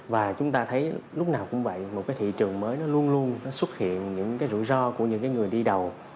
và chúng ta thấy lúc nào cũng vậy một cái thị trường mới nó luôn luôn nó xuất hiện những cái rủi ro của những người đi đầu